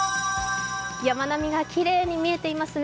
山並みがきれいに見えていますね。